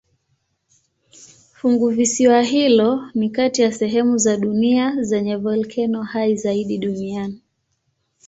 Funguvisiwa hilo ni kati ya sehemu za dunia zenye volkeno hai zaidi duniani.